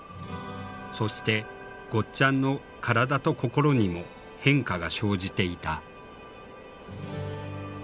そしてゴッちゃんの体と心にも変化が生じていた。